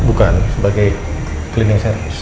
bukan sebagai cleaning service